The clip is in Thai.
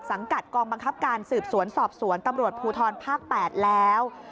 กัดกองบังคับการสืบสวนสอบสวนตำรวจภูทรภาค๘แล้ว